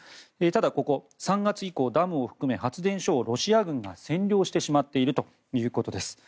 ただ、ここは３月以降ダムを含め発電所をロシア軍が占領してしまっているということです。